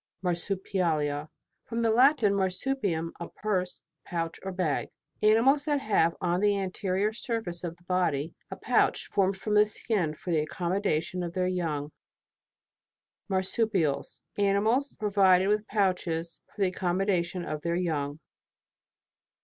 MARSUPIALIA. From the Latin, mar supium, a purse, pouch or bag. Animals that have on the anterior surface of the body, a pouch, formed of the skin, for the accommodation of their young. MARSUPIALS. Marsupialia. Animals provided with pouches for the ac commodation of their young.